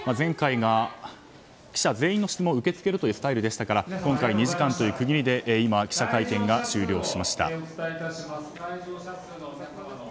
前回は記者全員の質問を受け付けるというスタイルでしたが今回、２時間という区切りで今、記者会見が終了しました。